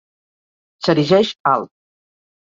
S'erigeix alt.